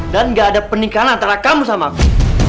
dan gak ada pernikahan antara kamu sama aku